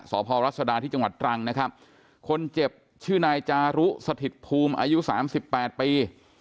พรัศดาที่จังหวัดตรังนะครับคนเจ็บชื่อนายจารุสถิตภูมิอายุสามสิบแปดปี